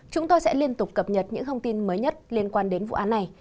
chúng tôi sẽ liên tục cập nhật những thông tin mới nhất liên quan đến vụ án này